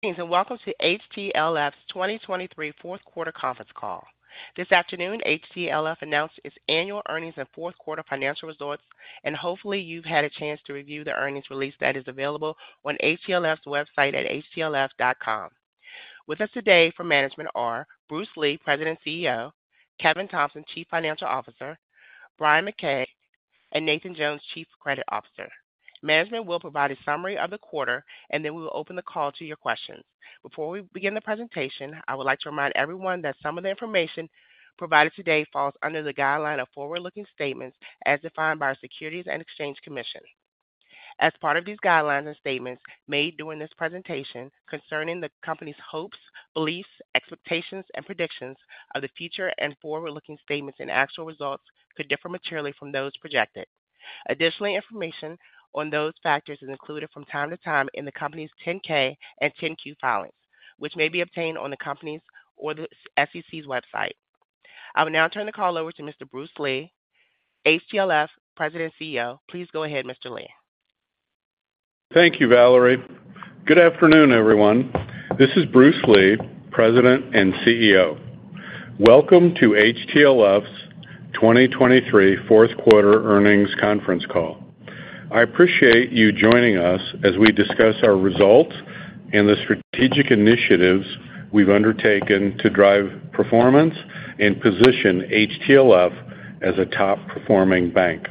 Thanks and welcome to HTLF's 2023 fourth quarter conference call. This afternoon, HTLF announced its annual earnings and fourth quarter financial results, and hopefully you've had a chance to review the earnings release that is available on HTLF's website at htlf.com. With us today from Management are Bruce Lee, President and CEO; Kevin Thompson, Chief Financial Officer; Bryan McKeag; and Nathan Jones, Chief Credit Officer. Management will provide a summary of the quarter, and then we will open the call to your questions. Before we begin the presentation, I would like to remind everyone that some of the information provided today falls under the guideline of forward-looking statements as defined by our Securities and Exchange Commission. As part of these guidelines and statements made during this presentation concerning the company's hopes, beliefs, expectations, and predictions of the future, and forward-looking statements and actual results could differ materially from those projected. Additional information on those factors is included from time to time in the company's 10-K and 10-Q filings, which may be obtained on the company's or the SEC's website. I will now turn the call over to Mr. Bruce Lee, HTLF President and CEO. Please go ahead, Mr. Lee. Thank you, Valerie. Good afternoon, everyone. This is Bruce Lee, President and CEO. Welcome to HTLF's 2023 fourth quarter earnings conference call. I appreciate you joining us as we discuss our results and the strategic initiatives we've undertaken to drive performance and position HTLF as a top-performing bank.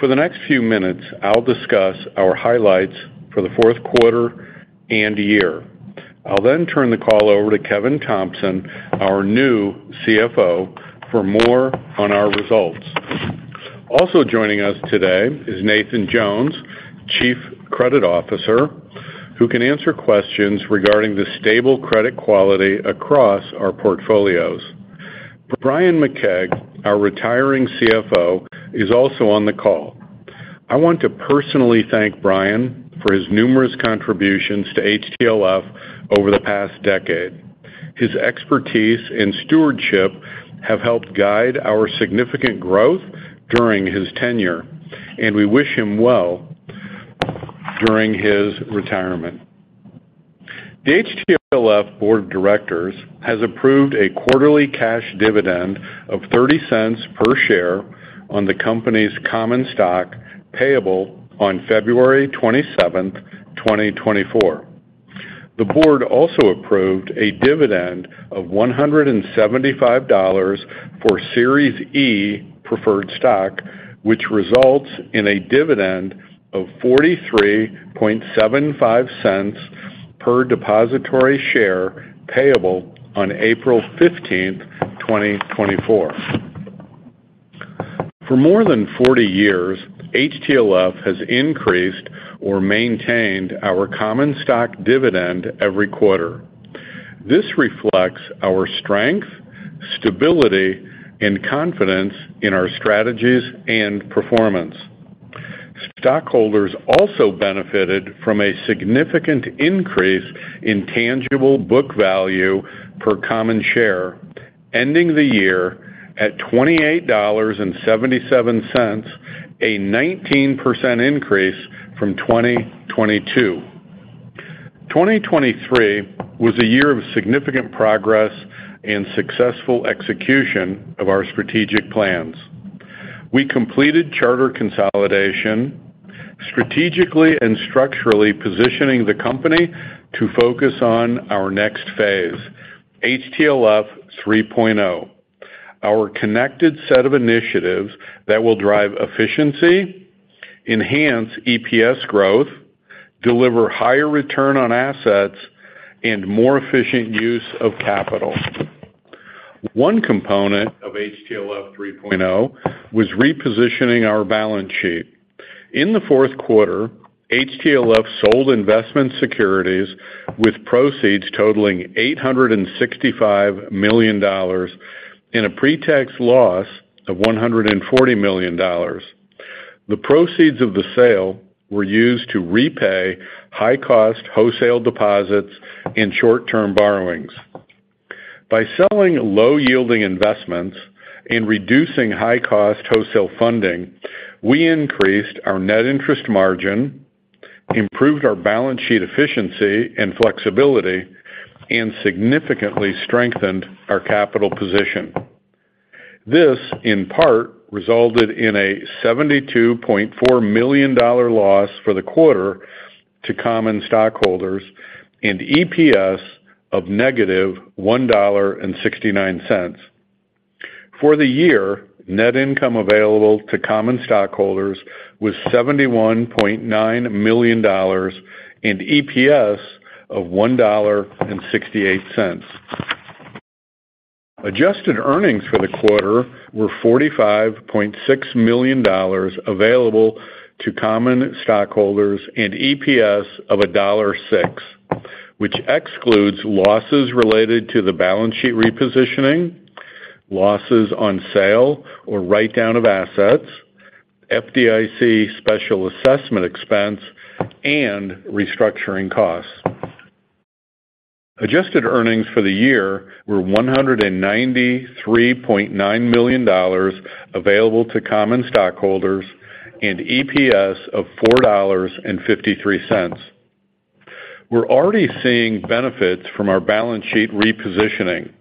For the next few minutes, I'll discuss our highlights for the fourth quarter and year. I'll then turn the call over to Kevin Thompson, our new CFO, for more on our results. Also joining us today is Nathan Jones, Chief Credit Officer, who can answer questions regarding the stable credit quality across our portfolios. Bryan McKeag, our retiring CFO, is also on the call. I want to personally thank Bryan for his numerous contributions to HTLF over the past decade. His expertise and stewardship have helped guide our significant growth during his tenure, and we wish him well during his retirement. The HTLF Board of Directors has approved a quarterly cash dividend of $0.30 per share on the company's common stock payable on February 27th, 2024. The board also approved a dividend of $175 for Series E Preferred Stock, which results in a dividend of $0.4375 per depositary share payable on April 15, 2024. For more than 40 years, HTLF has increased or maintained our common stock dividend every quarter. This reflects our strength, stability, and confidence in our strategies and performance. Stockholders also benefited from a significant increase in tangible book value per common share, ending the year at $28.77, a 19% increase from 2022. 2023 was a year of significant progress and successful execution of our strategic plans. We completed charter consolidation, strategically and structurally positioning the company to focus on our next phase, HTLF 3.0, our connected set of initiatives that will drive efficiency, enhance EPS growth, deliver higher return on assets, and more efficient use of capital. One component of HTLF 3.0 was repositioning our balance sheet. In the fourth quarter, HTLF sold investment securities with proceeds totaling $865 million in a pretax loss of $140 million. The proceeds of the sale were used to repay high-cost wholesale deposits and short-term borrowings. By selling low-yielding investments and reducing high-cost wholesale funding, we increased our net interest margin, improved our balance sheet efficiency and flexibility, and significantly strengthened our capital position. This, in part, resulted in a $72.4 million loss for the quarter to common stockholders and EPS of -$1.69. For the year, net income available to common stockholders was $71.9 million and EPS of $1.68. Adjusted earnings for the quarter were $45.6 million available to common stockholders and EPS of $1.06, which excludes losses related to the balance sheet repositioning, losses on sale or write-down of assets, FDIC special assessment expense, and restructuring costs. Adjusted earnings for the year were $193.9 million available to common stockholders and EPS of $4.53. We're already seeing benefits from our balance sheet repositioning.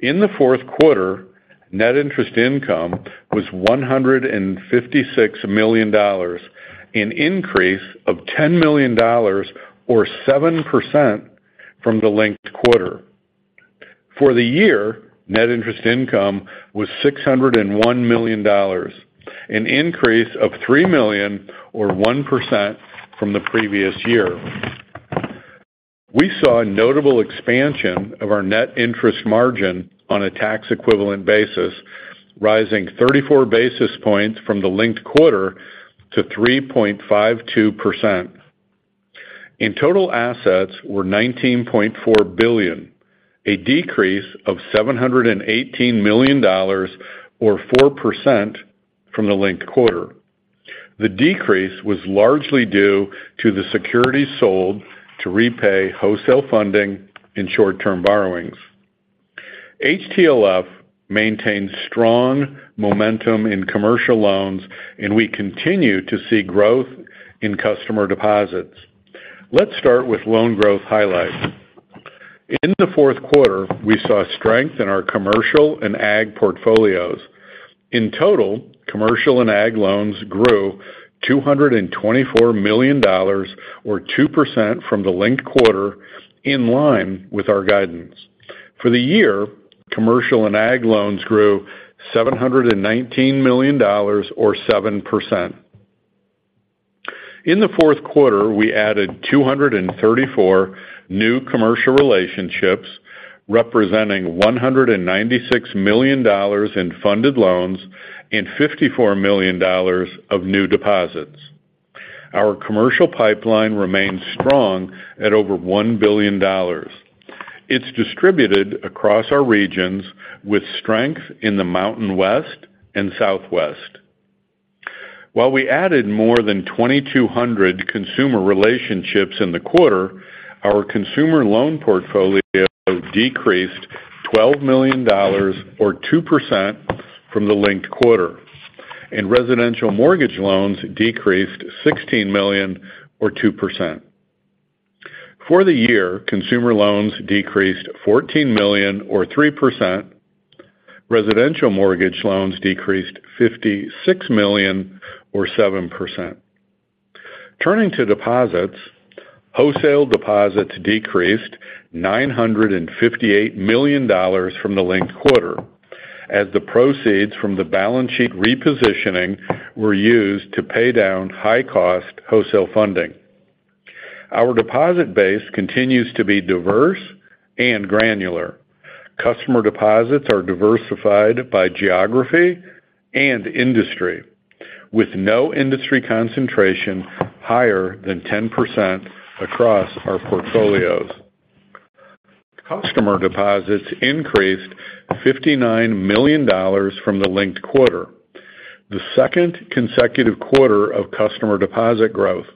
In the fourth quarter, net interest income was $156 million, an increase of $10 million or 7% from the linked quarter. For the year, net interest income was $601 million, an increase of $3 million or 1% from the previous year. We saw notable expansion of our net interest margin on a tax equivalent basis, rising 34 basis points from the linked quarter to 3.52%. Total assets were $19.4 billion, a decrease of $718 million or 4% from the linked quarter. The decrease was largely due to the securities sold to repay wholesale funding and short-term borrowings. HTLF maintains strong momentum in commercial loans, and we continue to see growth in customer deposits. Let's start with loan growth highlights. In the fourth quarter, we saw strength in our commercial and ag portfolios. In total, commercial and ag loans grew $224 million or 2% from the linked quarter, in line with our guidance. For the year, commercial and ag loans grew $719 million or 7%. In the fourth quarter, we added 234 new commercial relationships, representing $196 million in funded loans and $54 million of new deposits. Our commercial pipeline remains strong at over $1 billion. It's distributed across our regions, with strength in the Mountain West and Southwest. While we added more than 2,200 consumer relationships in the quarter, our consumer loan portfolio decreased $12 million or 2% from the linked quarter, and residential mortgage loans decreased $16 million or 2%. For the year, consumer loans decreased $14 million or 3%. Residential mortgage loans decreased $56 million or 7%. Turning to deposits, wholesale deposits decreased $958 million from the linked quarter, as the proceeds from the balance sheet repositioning were used to pay down high-cost wholesale funding. Our deposit base continues to be diverse and granular. Customer deposits are diversified by geography and industry, with no industry concentration higher than 10% across our portfolios. Customer deposits increased $59 million from the linked quarter, the second consecutive quarter of customer deposit growth.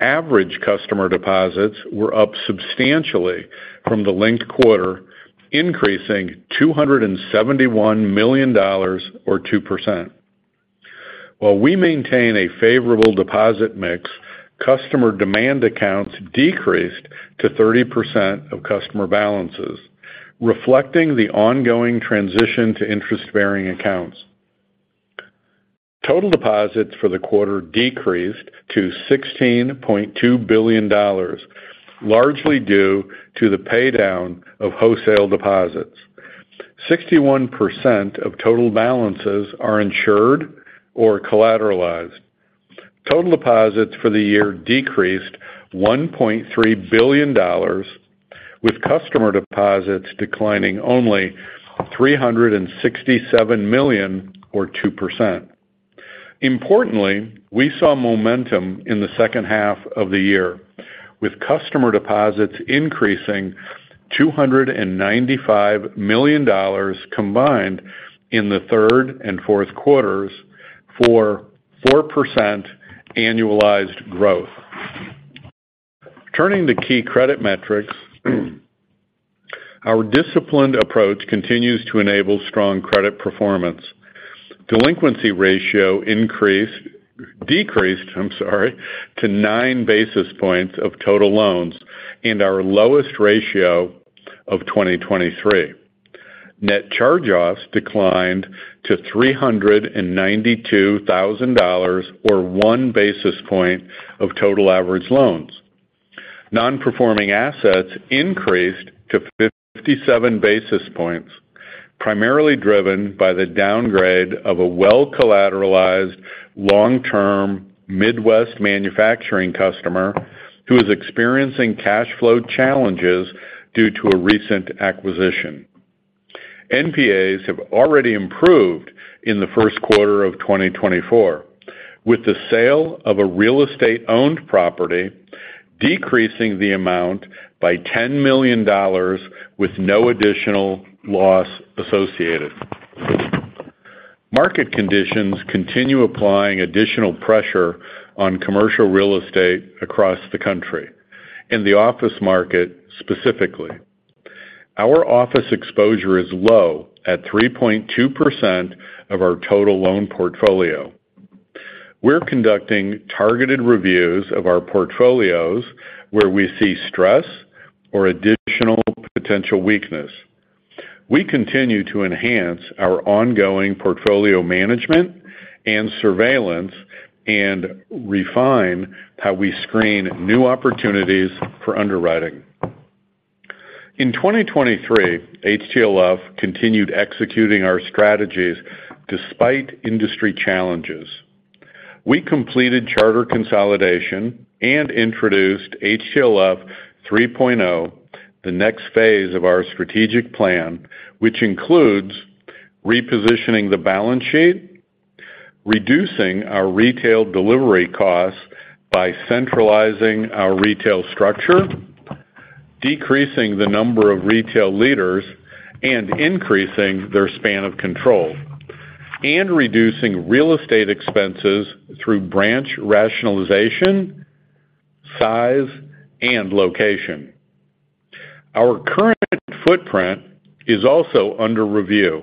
Average customer deposits were up substantially from the linked quarter, increasing $271 million or 2%. While we maintain a favorable deposit mix, customer demand accounts decreased to 30% of customer balances, reflecting the ongoing transition to interest-bearing accounts. Total deposits for the quarter decreased to $16.2 billion, largely due to the paydown of wholesale deposits. 61% of total balances are insured or collateralized. Total deposits for the year decreased $1.3 billion, with customer deposits declining only $367 million or 2%. Importantly, we saw momentum in the second half of the year, with customer deposits increasing $295 million combined in the third and fourth quarters for 4% annualized growth. Turning to key credit metrics, our disciplined approach continues to enable strong credit performance. Delinquency ratio decreased to 9 basis points of total loans and our lowest ratio of 2023. Net charge-offs declined to $392,000 or 1 basis point of total average loans. Non-performing assets increased to 57 basis points, primarily driven by the downgrade of a well-collateralized long-term Midwest manufacturing customer who is experiencing cash flow challenges due to a recent acquisition. NPAs have already improved in the first quarter of 2024, with the sale of a real estate-owned property decreasing the amount by $10 million with no additional loss associated. Market conditions continue applying additional pressure on commercial real estate across the country, in the office market specifically. Our office exposure is low at 3.2% of our total loan portfolio. We're conducting targeted reviews of our portfolios where we see stress or additional potential weakness. We continue to enhance our ongoing portfolio management and surveillance and refine how we screen new opportunities for underwriting. In 2023, HTLF continued executing our strategies despite industry challenges. We completed charter consolidation and introduced HTLF 3.0, the next phase of our strategic plan, which includes repositioning the balance sheet, reducing our retail delivery costs by centralizing our retail structure, decreasing the number of retail leaders and increasing their span of control, and reducing real estate expenses through branch rationalization, size, and location. Our current footprint is also under review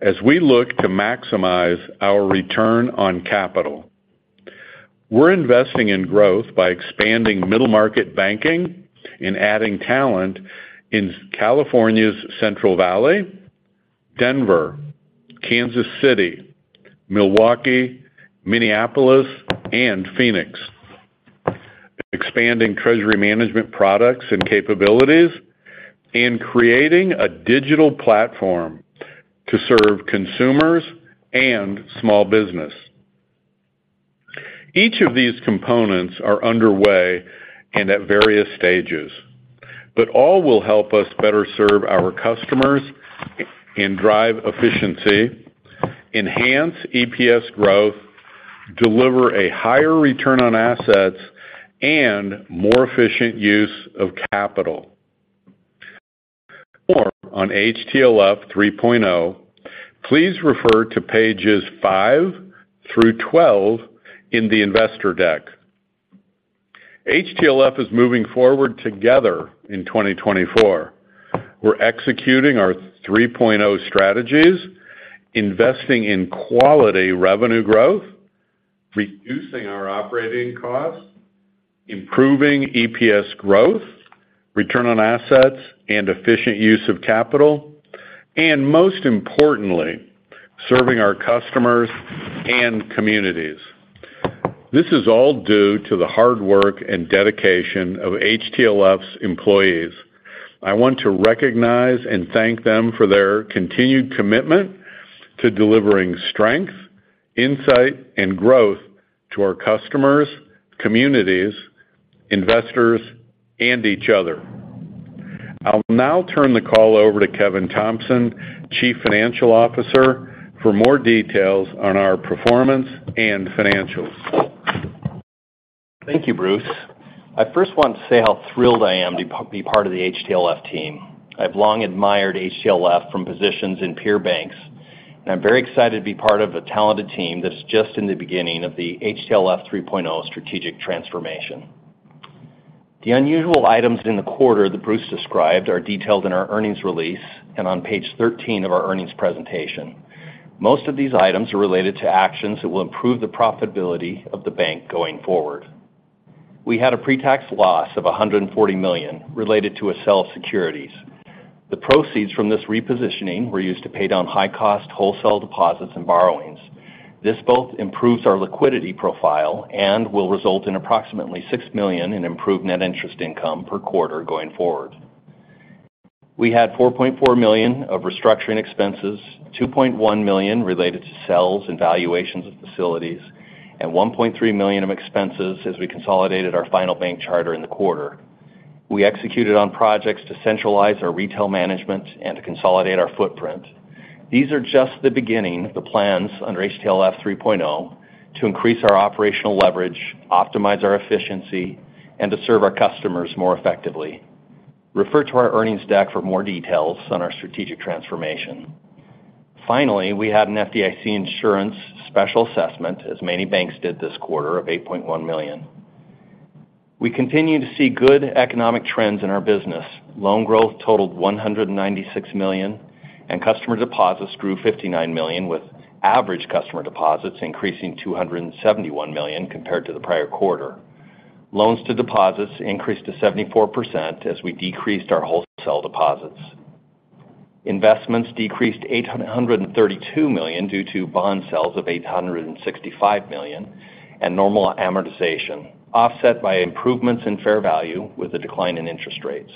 as we look to maximize our return on capital. We're investing in growth by expanding middle-market banking and adding talent in California's Central Valley, Denver, Kansas City, Milwaukee, Minneapolis, and Phoenix, expanding treasury management products and capabilities, and creating a digital platform to serve consumers and small business. Each of these components are underway and at various stages, but all will help us better serve our customers and drive efficiency, enhance EPS growth, deliver a higher return on assets, and more efficient use of capital. For more on HTLF 3.0, please refer to pages five to 12 in the investor deck. HTLF is moving forward together in 2024. We're executing our 3.0 strategies, investing in quality revenue growth, reducing our operating costs, improving EPS growth, return on assets, and efficient use of capital, and most importantly, serving our customers and communities. This is all due to the hard work and dedication of HTLF's employees. I want to recognize and thank them for their continued commitment to delivering strength, insight, and growth to our customers, communities, investors, and each other. I'll now turn the call over to Kevin Thompson, Chief Financial Officer, for more details on our performance and financials. Thank you, Bruce. I first want to say how thrilled I am to be part of the HTLF team. I've long admired HTLF from positions in peer banks, and I'm very excited to be part of a talented team that is just in the beginning of the HTLF 3.0 strategic transformation. The unusual items in the quarter that Bruce described are detailed in our earnings release and on page 13 of our earnings presentation. Most of these items are related to actions that will improve the profitability of the bank going forward. We had a pretax loss of $140 million related to a sale of securities. The proceeds from this repositioning were used to pay down high-cost wholesale deposits and borrowings. This both improves our liquidity profile and will result in approximately $6 million in improved net interest income per quarter going forward. We had $4.4 million of restructuring expenses, $2.1 million related to sales and valuations of facilities, and $1.3 million of expenses as we consolidated our final bank charter in the quarter. We executed on projects to centralize our retail management and to consolidate our footprint. These are just the beginning of the plans under HTLF 3.0 to increase our operational leverage, optimize our efficiency, and to serve our customers more effectively. Refer to our earnings deck for more details on our strategic transformation. Finally, we had an FDIC special assessment, as many banks did this quarter, of $8.1 million. We continue to see good economic trends in our business. Loan growth totaled $196 million, and customer deposits grew $59 million, with average customer deposits increasing $271 million compared to the prior quarter. Loans to deposits increased to 74% as we decreased our wholesale deposits. Investments decreased $832 million due to bond sales of $865 million and normal amortization, offset by improvements in fair value with a decline in interest rates.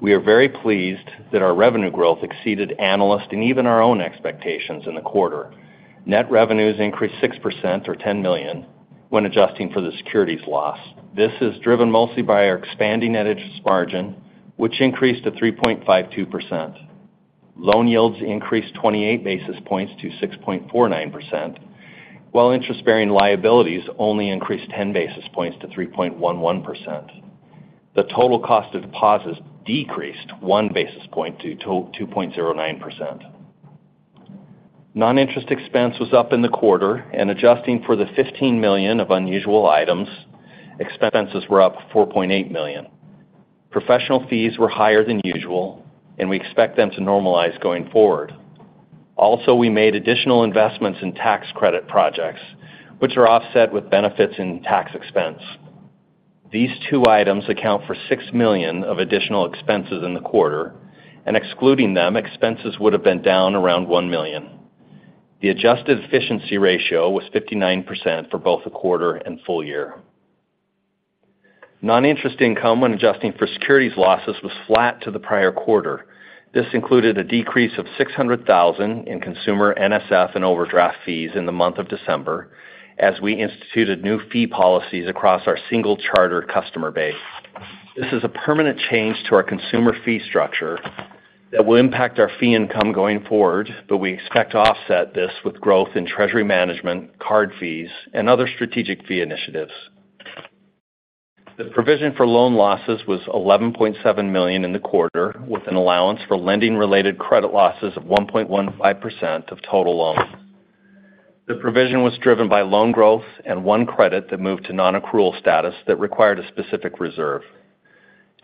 We are very pleased that our revenue growth exceeded analyst and even our own expectations in the quarter. Net revenues increased 6% or $10 million when adjusting for the securities loss. This is driven mostly by our expanding net interest margin, which increased to 3.52%. Loan yields increased 28 basis points to 6.49%, while interest-bearing liabilities only increased 10 basis points to 3.11%. The total cost of deposits decreased one basis point to 2.09%. Non-interest expense was up in the quarter, and adjusting for the $15 million of unusual items, expenses were up $4.8 million. Professional fees were higher than usual, and we expect them to normalize going forward. Also, we made additional investments in tax credit projects, which are offset with benefits in tax expense. These two items account for $6 million of additional expenses in the quarter, and excluding them, expenses would have been down around $1 million. The adjusted efficiency ratio was 59% for both the quarter and full year. Non-interest income when adjusting for securities losses was flat to the prior quarter. This included a decrease of $600,000 in consumer NSF and overdraft fees in the month of December as we instituted new fee policies across our single charter customer base. This is a permanent change to our consumer fee structure that will impact our fee income going forward, but we expect to offset this with growth in treasury management, card fees, and other strategic fee initiatives. The provision for loan losses was $11.7 million in the quarter, with an allowance for lending-related credit losses of 1.15% of total loans. The provision was driven by loan growth and one credit that moved to non-accrual status that required a specific reserve.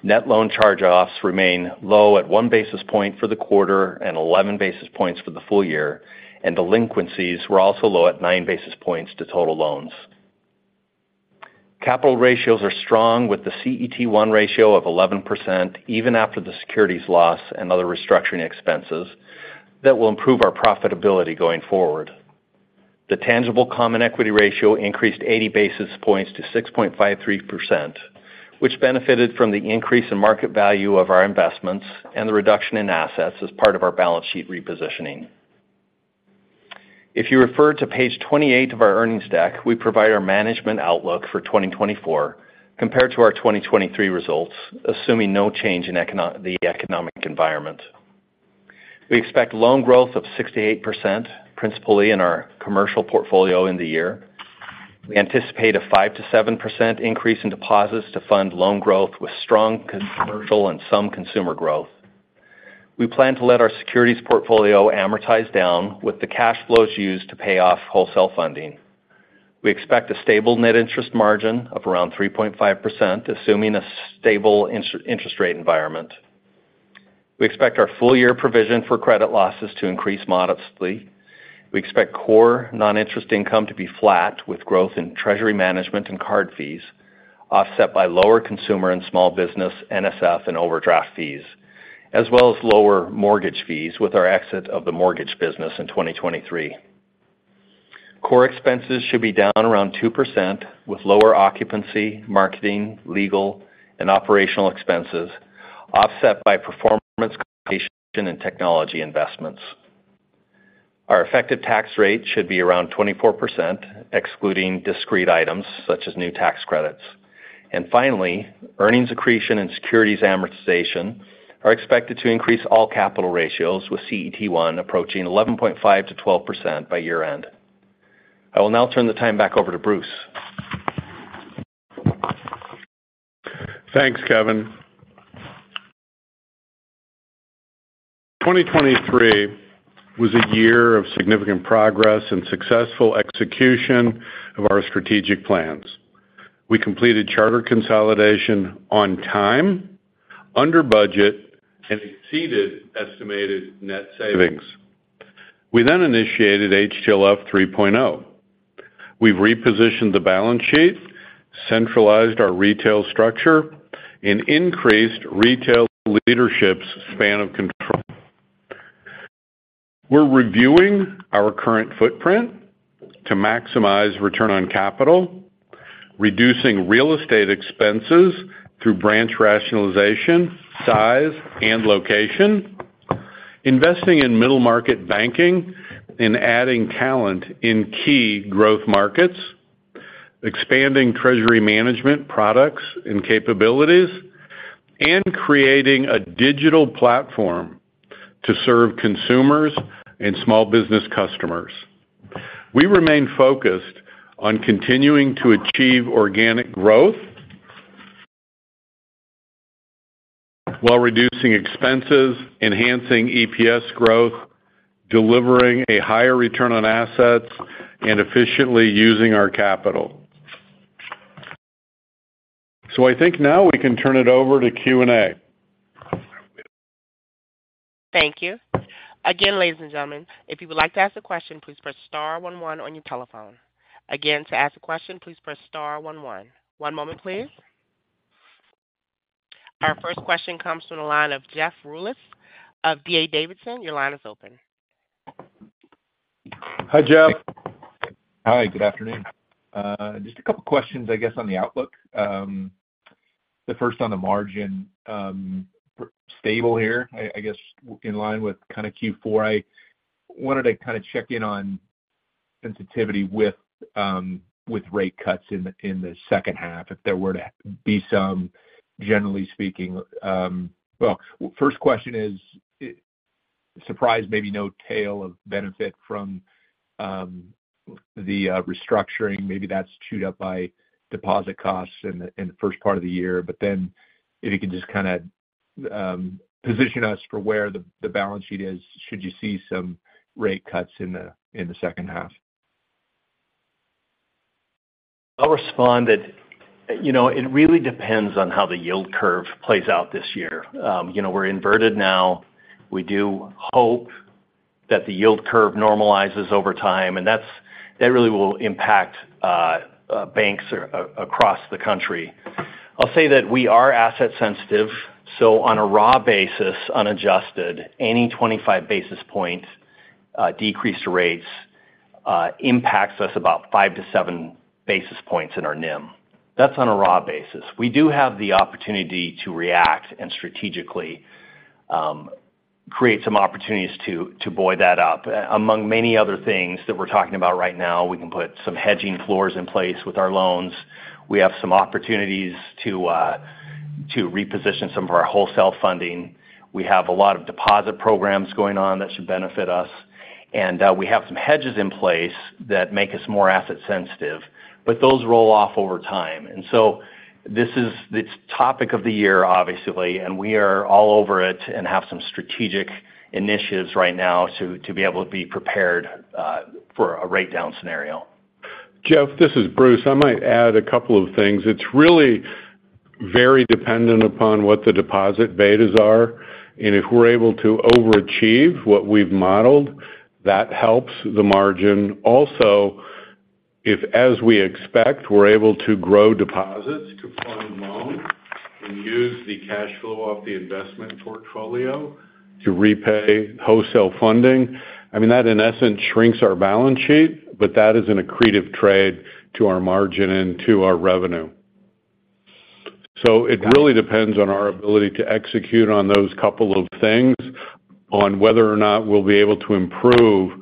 Net loan charge-offs remain low at 1 basis point for the quarter and 11 basis points for the full year, and delinquencies were also low at 9 basis points to total loans. Capital ratios are strong, with the CET1 ratio of 11% even after the securities loss and other restructuring expenses that will improve our profitability going forward. The tangible common equity ratio increased 80 basis points to 6.53%, which benefited from the increase in market value of our investments and the reduction in assets as part of our balance sheet repositioning. If you refer to page 28 of our earnings deck, we provide our management outlook for 2024 compared to our 2023 results, assuming no change in the economic environment. We expect loan growth of 68% principally in our commercial portfolio in the year. We anticipate a 5%-7% increase in deposits to fund loan growth with strong commercial and some consumer growth. We plan to let our securities portfolio amortize down with the cash flows used to pay off wholesale funding. We expect a stable net interest margin of around 3.5%, assuming a stable interest rate environment. We expect our full-year provision for credit losses to increase modestly. We expect core non-interest income to be flat with growth in treasury management and card fees, offset by lower consumer and small business NSF and overdraft fees, as well as lower mortgage fees with our exit of the mortgage business in 2023. Core expenses should be down around 2% with lower occupancy, marketing, legal, and operational expenses, offset by performance compensation and technology investments. Our effective tax rate should be around 24%, excluding discrete items such as new tax credits. And finally, earnings accretion and securities amortization are expected to increase all capital ratios, with CET1 approaching 11.5%-12% by year-end. I will now turn the time back over to Bruce. Thanks, Kevin. 2023 was a year of significant progress and successful execution of our strategic plans. We completed charter consolidation on time, under budget, and exceeded estimated net savings. We then initiated HTLF 3.0. We've repositioned the balance sheet, centralized our retail structure, and increased retail leadership's span of control. We're reviewing our current footprint to maximize return on capital, reducing real estate expenses through branch rationalization, size, and location, investing in middle-market banking and adding talent in key growth markets, expanding treasury management products and capabilities, and creating a digital platform to serve consumers and small business customers. We remain focused on continuing to achieve organic growth while reducing expenses, enhancing EPS growth, delivering a higher return on assets, and efficiently using our capital. So I think now we can turn it over to Q&A. Thank you. Again, ladies and gentlemen, if you would like to ask a question, please press star one one on your telephone. Again, to ask a question, please press star one one. One moment, please. Our first question comes from the line of Jeff Rulis of D.A. Davidson. Your line is open. Hi, Jeff. Hi, good afternoon. Just a couple questions, I guess, on the outlook. The first on the margin, stable here, I guess, in line with kind of Q4. I wanted to kind of check in on sensitivity with rate cuts in the second half, if there were to be some, generally speaking. Well, first question is, surprise, maybe no tail of benefit from the restructuring. Maybe that's chewed up by deposit costs in the first part of the year. But then if you could just kind of position us for where the balance sheet is, should you see some rate cuts in the second half? I'll respond that, you know, it really depends on how the yield curve plays out this year. You know, we're inverted now. We do hope that the yield curve normalizes over time, and that's that really will impact banks across the country. I'll say that we are asset sensitive. So on a raw basis, unadjusted, any 25 basis point decreased rates impacts us about 5-7 basis points in our NIM. That's on a raw basis. We do have the opportunity to react and strategically create some opportunities to buoy that up. Among many other things that we're talking about right now, we can put some hedging floors in place with our loans. We have some opportunities to reposition some of our wholesale funding. We have a lot of deposit programs going on that should benefit us. We have some hedges in place that make us more asset sensitive, but those roll off over time. So this is its topic of the year, obviously, and we are all over it and have some strategic initiatives right now to be able to be prepared for a rate down scenario. Jeff, this is Bruce. I might add a couple of things. It's really very dependent upon what the deposit betas are. And if we're able to overachieve what we've modeled, that helps the margin. Also, if, as we expect, we're able to grow deposits to fund loans and use the cash flow off the investment portfolio to repay wholesale funding, I mean, that, in essence, shrinks our balance sheet, but that is an accretive trade to our margin and to our revenue. So it really depends on our ability to execute on those couple of things, on whether or not we'll be able to improve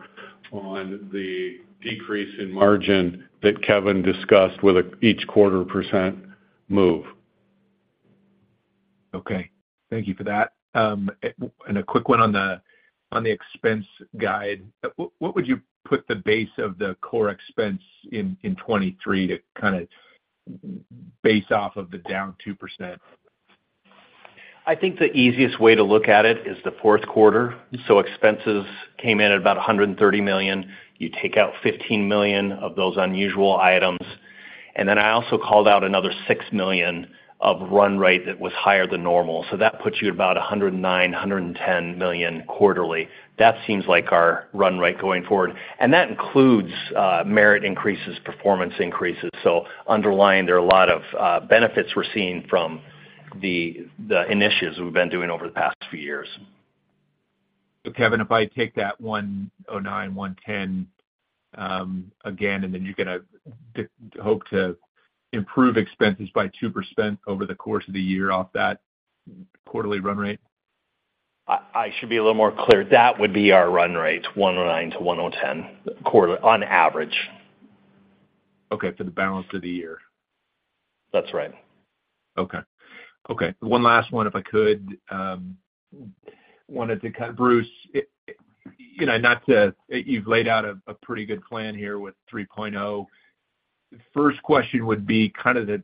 on the decrease in margin that Kevin discussed with each 0.25% move. Okay. Thank you for that. A quick one on the expense guide. What would you put the base of the core expense in 2023 to kind of base off of the down 2%? I think the easiest way to look at it is the fourth quarter. So expenses came in at about $130 million. You take out $15 million of those unusual items. And then I also called out another $6 million of run rate that was higher than normal. So that puts you at about $109, $110 million quarterly. That seems like our run rate going forward. And that includes, merit increases, performance increases. So underlying, there are a lot of, benefits we're seeing from the the initiatives we've been doing over the past few years. So, Kevin, if I take that $109, $110, again, and then you're going to hope to improve expenses by 2% over the course of the year off that quarterly run rate? I should be a little more clear. That would be our run rate, $109-$110 quarterly, on average. Okay, for the balance of the year. That's right. Okay. Okay. One last one, if I could. Wanted to kind of, Bruce, you know, not to you've laid out a pretty good plan here with 3.0. First question would be kind of the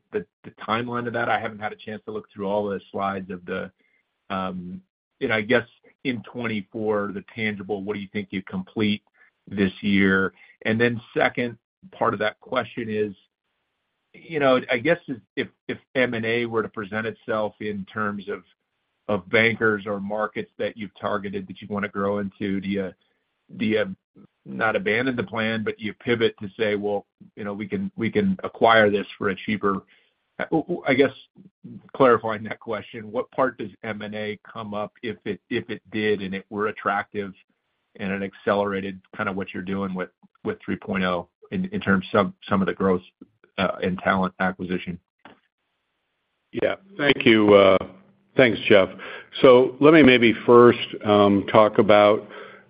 timeline of that. I haven't had a chance to look through all the slides of the, and I guess in 2024, the tangible, what do you think you complete this year? And then second part of that question is, you know, I guess if M&A were to present itself in terms of bankers or markets that you've targeted that you want to grow into, do you not abandon the plan, but you pivot to say, "Well, you know, we can acquire this for a cheaper"? I guess, clarifying that question, what part does M&A come up if it did and it were attractive and it accelerated kind of what you're doing with 3.0 in terms of some of the growth and talent acquisition? Yeah. Thank you. Thanks, Jeff. So let me maybe first talk about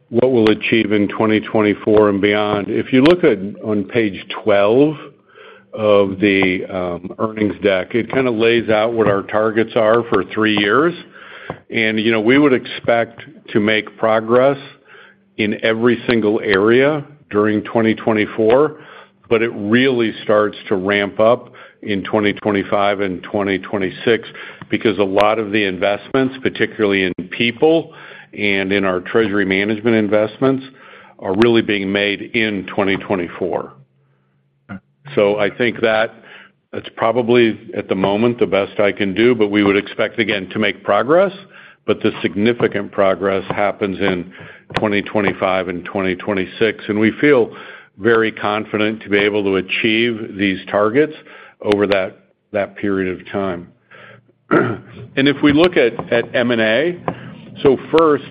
what we'll achieve in 2024 and beyond. If you look at on page 12 of the earnings deck, it kind of lays out what our targets are for three years. And, you know, we would expect to make progress in every single area during 2024, but it really starts to ramp up in 2025 and 2026 because a lot of the investments, particularly in people and in our Treasury Management investments, are really being made in 2024. So I think that that's probably, at the moment, the best I can do, but we would expect, again, to make progress, but the significant progress happens in 2025 and 2026. And we feel very confident to be able to achieve these targets over that period of time. If we look at M&A, so first,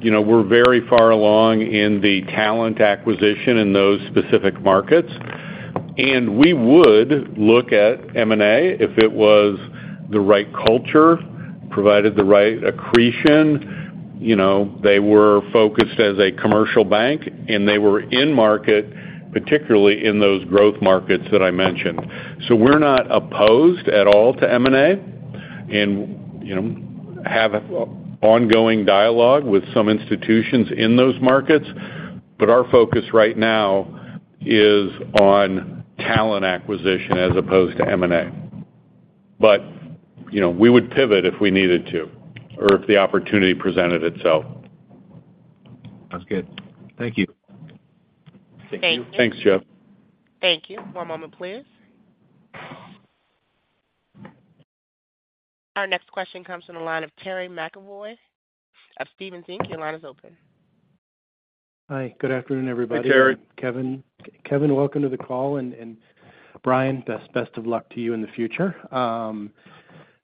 you know, we're very far along in the talent acquisition in those specific markets. We would look at M&A if it was the right culture, provided the right accretion. You know, they were focused as a commercial bank, and they were in market, particularly in those growth markets that I mentioned. So we're not opposed at all to M&A and, you know, have ongoing dialogue with some institutions in those markets. But our focus right now is on talent acquisition as opposed to M&A. But, you know, we would pivot if we needed to or if the opportunity presented itself. Sounds good. Thank you. Thank you. Thanks, Jeff. Thank you. One moment, please. Our next question comes from the line of Terry McEvoy of Stephens Inc. Your line is open. Hi. Good afternoon, everybody. Hi, Terry. Kevin. Kevin, welcome to the call. And Bryan, best of luck to you in the future.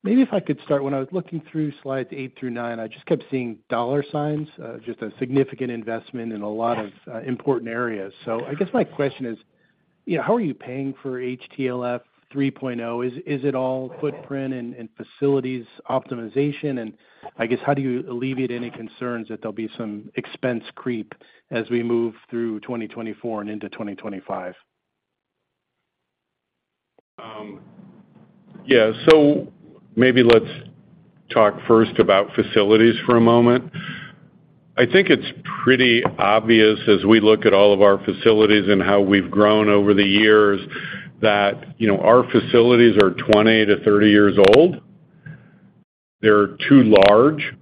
Maybe if I could start, when I was looking through slides eight through nine, I just kept seeing dollar signs, just a significant investment in a lot of important areas. So I guess my question is, you know, how are you paying for HTLF 3.0? Is it all footprint and facilities optimization? And I guess how do you alleviate any concerns that there'll be some expense creep as we move through 2024 and into 2025? Yeah. So maybe let's talk first about facilities for a moment. I think it's pretty obvious as we look at all of our facilities and how we've grown over the years that, you know, our facilities are 20-30 years old. They're too large.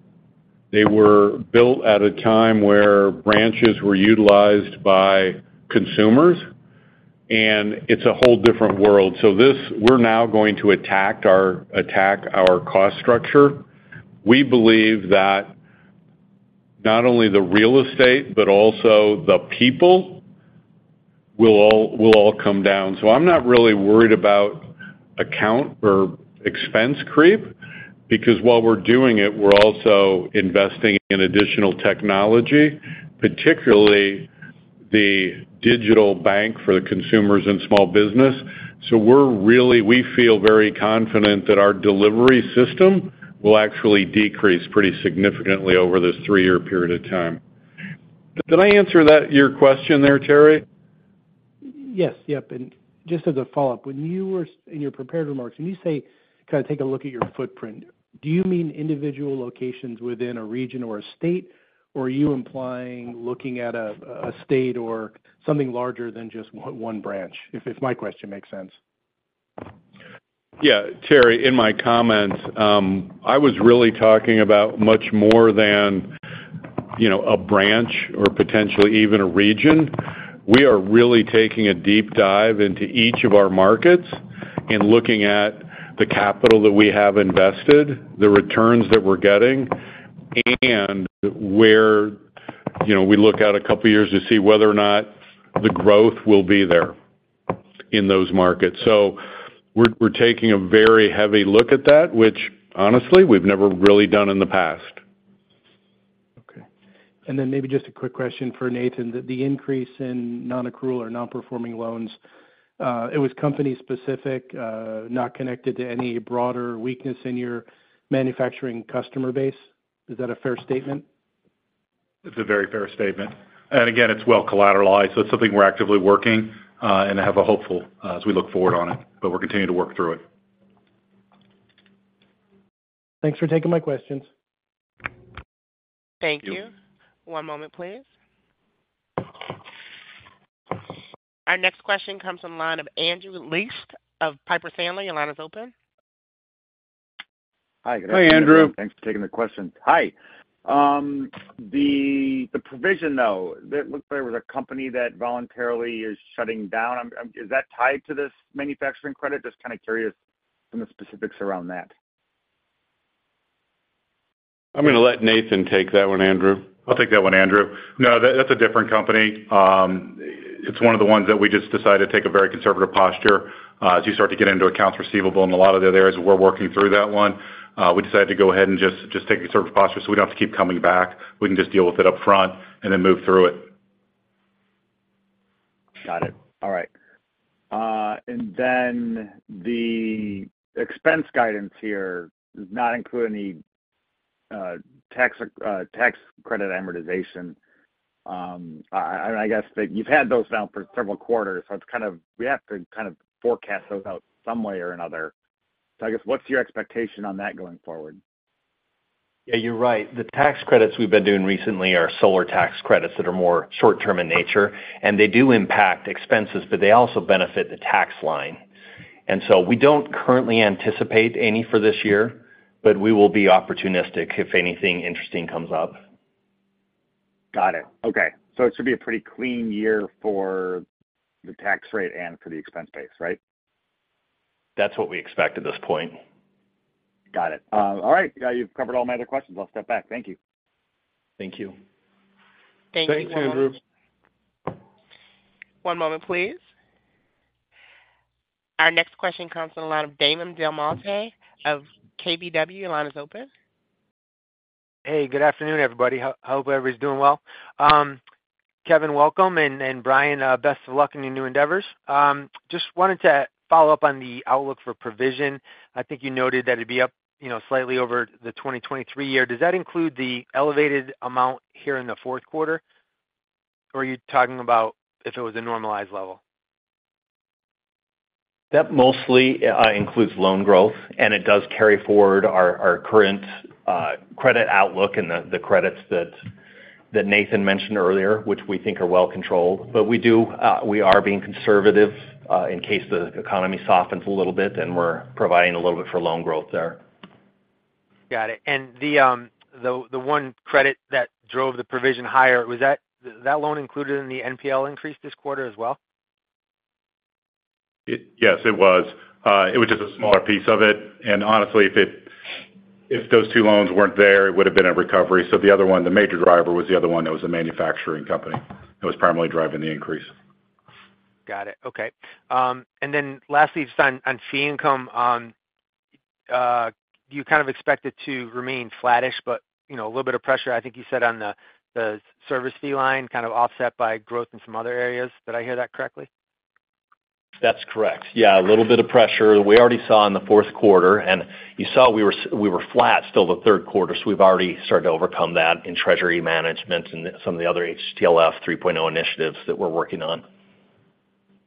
They were built at a time where branches were utilized by consumers. And it's a whole different world. So we're now going to attack our cost structure. We believe that not only the real estate, but also the people will all come down. So I'm not really worried about account or expense creep because while we're doing it, we're also investing in additional technology, particularly the digital bank for the consumers and small business. So we're really we feel very confident that our delivery system will actually decrease pretty significantly over this three-year period of time. Did I answer your question there, Terry? Yes. Yep. And just as a follow-up, when you were in your prepared remarks, when you say kind of take a look at your footprint, do you mean individual locations within a region or a state, or are you implying looking at a state or something larger than just one branch, if my question makes sense? Yeah, Terry, in my comments, I was really talking about much more than, you know, a branch or potentially even a region. We are really taking a deep dive into each of our markets and looking at the capital that we have invested, the returns that we're getting, and where, you know, we look out a couple of years to see whether or not the growth will be there in those markets. So we're taking a very heavy look at that, which, honestly, we've never really done in the past. Okay. And then maybe just a quick question for Nathan, the increase in non-accrual or non-performing loans, it was company-specific, not connected to any broader weakness in your manufacturing customer base. Is that a fair statement? It's a very fair statement. Again, it's well collateralized. It's something we're actively working and have a hopeful as we look forward on it, but we're continuing to work through it. Thanks for taking my questions. Thank you. One moment, please. Our next question comes on the line of Andrew Liesch of Piper Sandler. Your line is open. Hi. Good afternoon. Hi, Andrew. Thanks for taking the question. Hi. The provision, though, it looks like there was a company that voluntarily is shutting down. Is that tied to this manufacturing credit? Just kind of curious from the specifics around that. I'm going to let Nathan take that one, Andrew. I'll take that one, Andrew. No, that's a different company. It's one of the ones that we just decided to take a very conservative posture. As you start to get into accounts receivable in a lot of the other areas, we're working through that one. We decided to go ahead and just take a conservative posture so we don't have to keep coming back. We can just deal with it upfront and then move through it. Got it. All right. And then the expense guidance here does not include any tax credit amortization. I guess that you've had those down for several quarters. So it's kind of we have to kind of forecast those out some way or another. So I guess what's your expectation on that going forward? Yeah, you're right. The tax credits we've been doing recently are solar tax credits that are more short-term in nature. And they do impact expenses, but they also benefit the tax line. And so we don't currently anticipate any for this year, but we will be opportunistic if anything interesting comes up. Got it. Okay. So it should be a pretty clean year for the tax rate and for the expense base, right? That's what we expect at this point. Got it. All right. You've covered all my other questions. I'll step back. Thank you. Thank you. Thank you, Andrew. Thanks, Andrew. One moment, please. Our next question comes from the line of Damon DelMonte of KBW. Your line is open. Hey, good afternoon, everybody. Hope everybody's doing well. Kevin, welcome. And Bryan, best of luck in your new endeavors. Just wanted to follow up on the outlook for provision. I think you noted that it'd be up slightly over the 2023 year. Does that include the elevated amount here in the fourth quarter, or are you talking about if it was a normalized level? That mostly includes loan growth, and it does carry forward our current credit outlook and the credits that Nathan mentioned earlier, which we think are well controlled. But we are being conservative in case the economy softens a little bit, and we're providing a little bit for loan growth there. Got it. And the one credit that drove the provision higher, was that loan included in the NPL increase this quarter as well? Yes, it was. It was just a smaller piece of it. Honestly, if those two loans weren't there, it would have been a recovery. The other one, the major driver was the other one that was the manufacturing company that was primarily driving the increase. Got it. Okay. And then lastly, just on fee income, do you kind of expect it to remain flattish, but a little bit of pressure, I think you said, on the service fee line, kind of offset by growth in some other areas? Did I hear that correctly? That's correct. Yeah, a little bit of pressure. We already saw in the fourth quarter, and you saw we were flat still the third quarter. So we've already started to overcome that in Treasury Management and some of the other HTLF 3.0 initiatives that we're working on.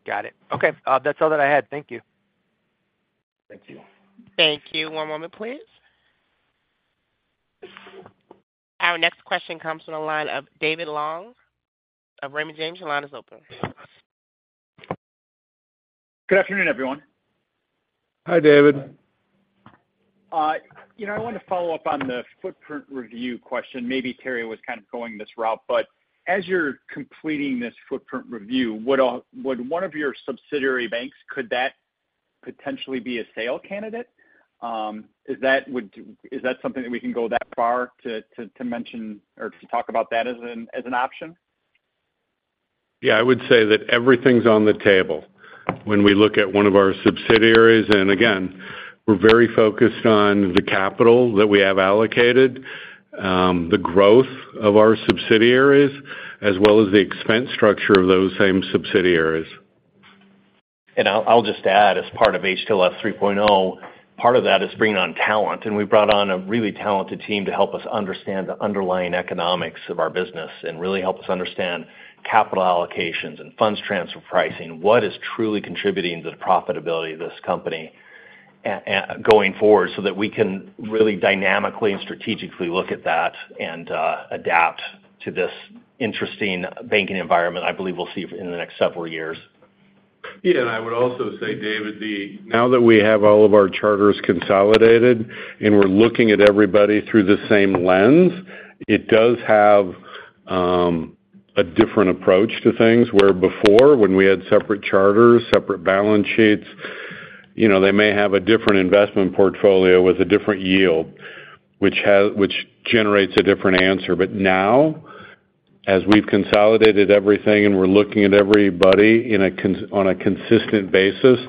Got it. Okay. That's all that I had. Thank you. Thank you. Thank you. One moment, please. Our next question comes from the line of David Long of Raymond James. Your line is open. Good afternoon, everyone. Hi, David. You know, I wanted to follow up on the footprint review question. Maybe Terry was kind of going this route, but as you're completing this footprint review, would one of your subsidiary banks, could that potentially be a sale candidate? Is that something that we can go that far to mention or to talk about that as an option? Yeah, I would say that everything's on the table when we look at one of our subsidiaries. And again, we're very focused on the capital that we have allocated, the growth of our subsidiaries, as well as the expense structure of those same subsidiaries. And I'll just add, as part of HTLF 3.0, part of that is bringing on talent. And we brought on a really talented team to help us understand the underlying economics of our business and really help us understand capital allocations and funds transfer pricing, what is truly contributing to the profitability of this company going forward so that we can really dynamically and strategically look at that and adapt to this interesting banking environment I believe we'll see in the next several years. Yeah. I would also say, David, now that we have all of our charters consolidated and we're looking at everybody through the same lens, it does have a different approach to things where before, when we had separate charters, separate balance sheets, you know they may have a different investment portfolio with a different yield, which generates a different answer. But now, as we've consolidated everything and we're looking at everybody on a consistent basis,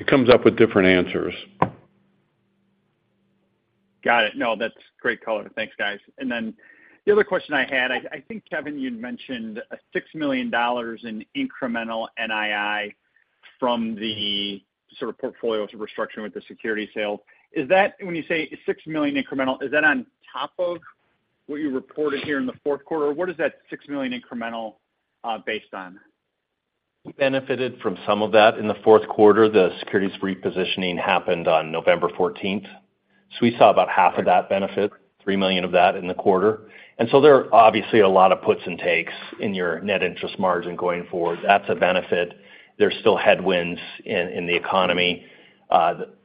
it comes up with different answers. Got it. No, that's great color. Thanks, guys. And then the other question I had, I think, Kevin, you mentioned a $6 million in incremental NII from the sort of portfolio restructuring with the security sale. When you say $6 million incremental, is that on top of what you reported here in the fourth quarter, or what is that $6 million incremental based on? Benefited from some of that in the fourth quarter. The securities repositioning happened on November 14th. So we saw about half of that benefit, $3 million of that in the quarter. And so there are obviously a lot of puts and takes in your net interest margin going forward. That's a benefit. There's still headwinds in the economy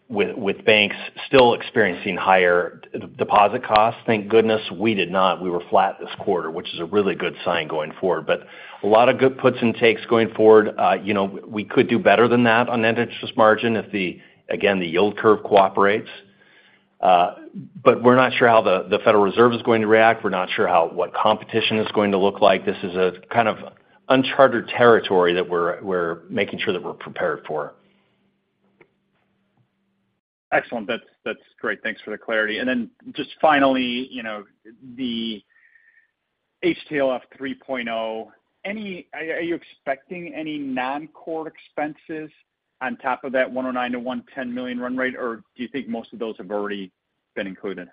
with banks still experiencing higher deposit costs. Thank goodness we did not. We were flat this quarter, which is a really good sign going forward. But a lot of good puts and takes going forward. You know we could do better than that on net interest margin if, again, the yield curve cooperates. But we're not sure how the Federal Reserve is going to react. We're not sure what competition is going to look like. This is a kind of uncharted territory that we're making sure that we're prepared for. Excellent. That's great. Thanks for the clarity. And then just finally, you know the HTLF 3.0, are you expecting any non-core expenses on top of that $109 million-$110 million run rate, or do you think most of those have already been included?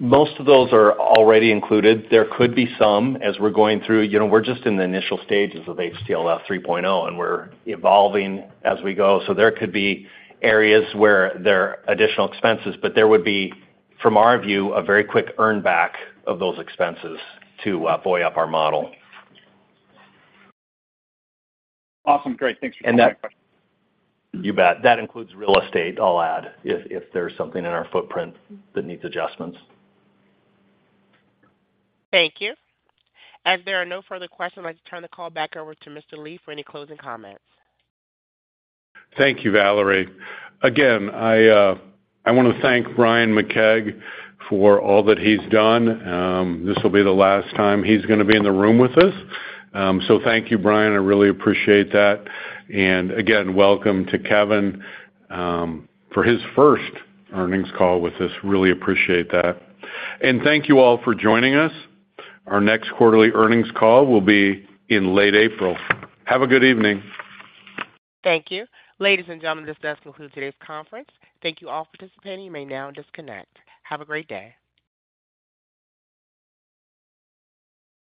Most of those are already included. There could be some as we're going through. You know we're just in the initial stages of HTLF 3.0, and we're evolving as we go. So there could be areas where there are additional expenses, but there would be, from our view, a very quick earnback of those expenses to buy up our model. Awesome. Great. Thanks for that question. You bet. That includes real estate, I'll add, if there's something in our footprint that needs adjustments. Thank you. As there are no further questions, I'd like to turn the call back over to Mr. Lee for any closing comments. Thank you, Valerie. Again, I want to thank Bryan McKeag for all that he's done. This will be the last time he's going to be in the room with us. So thank you, Bryan. I really appreciate that. And again, welcome to Kevin for his first earnings call with this. Really appreciate that. And thank you all for joining us. Our next quarterly earnings call will be in late April. Have a good evening. Thank you. Ladies and gentlemen, this does conclude today's conference. Thank you all for participating. You may now disconnect. Have a great day.